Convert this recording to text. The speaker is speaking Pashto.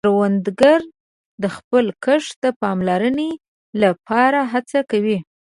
کروندګر د خپل کښت د پاملرنې له پاره هڅه کوي